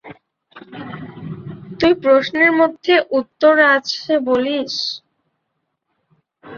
তুই প্রশ্নের মধ্যে উত্তর আছে বলিস!